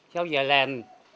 sau giờ làm